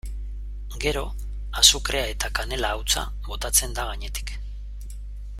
Gero azukrea eta kanela hautsa botatzen da gainetik.